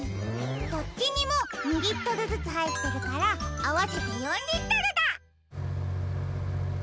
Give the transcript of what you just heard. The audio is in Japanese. どっちにも２リットルずつはいってるからあわせて４リットルだ！